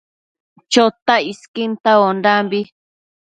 Chotac isquin tauaondambi